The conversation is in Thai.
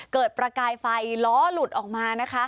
เกิดประกายไฟล้อหลุดออกมา